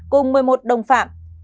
cùng một mươi một đồng phạm